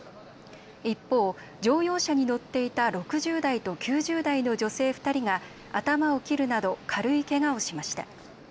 一方、乗用車に乗っていた６０代と９０代の女性２人が頭を切るなど軽いけがをしました。